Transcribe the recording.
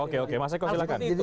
oke mas eko silahkan